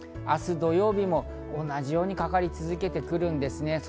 明日土曜日も同じようにかかり続けてくるんですね。